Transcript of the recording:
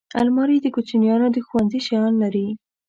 الماري د کوچنیانو د ښوونځي شیان لري